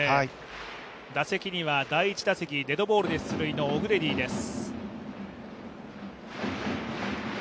打席には第１打席デッドボールで出塁のオグレディです。